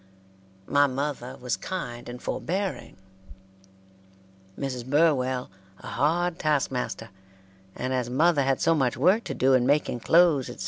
My mother was kind and forbearing; Mrs. Burwell a hard task master; and as mother had so much work to do in making clothes, etc.